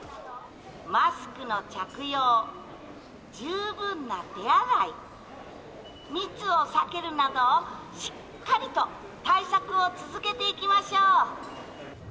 マスクの着用、十分な手洗い、密を避けるなど、しっかりと対策を続けていきましょう。